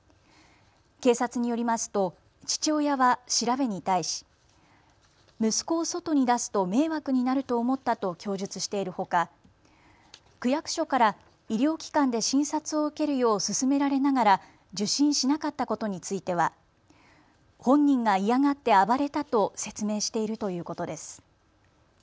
警察によりますと父親は調べに対し息子を外に出すと迷惑になると思ったと供述しているほか区役所から医療機関で診察を受けるよう勧められながら受診しなかったことについては本人が嫌がって暴れたと説明しているということです。